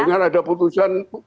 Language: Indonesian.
dengan ada putusan